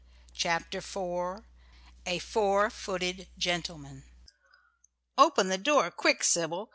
A FOUR FOOTED GENTLEMAN. "Open the door, quick, Sybil.